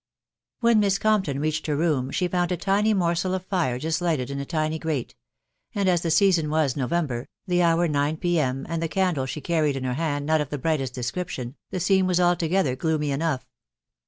When Miss Compton reached her room, she found a tiny morsel of fire just lighted in a tiny grate ; and as the season was November, the hour nine p. m., and the candb she carried in her hand not of the brightest description, the scene was alto gether gloomy enough.